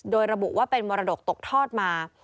โดยระบุว่าเป็นมรดกตกทอดมา